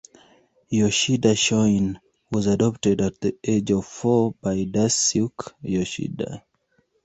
Yoshida Shoin was adopted at the age of four by Daisuke Yoshida.